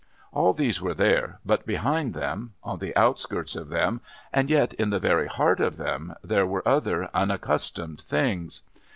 All these were there, but behind them, on the outskirts of them and yet in the very heart of them, there were other unaccustomed things.